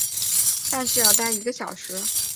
但是要待一个小时